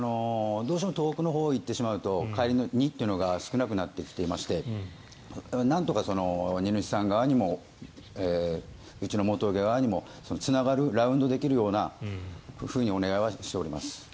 どうしても遠くのほうに行ってしまうと帰りの荷が少なくなってきていましてなんとか荷主さん側にもうちの元請け側にもつながる、ラウンドできるようにお願いしています。